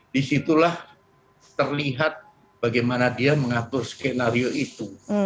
disitulah terlihat bagaimana dia mengatur skenario itu